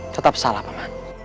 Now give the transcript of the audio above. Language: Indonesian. tetap salah paman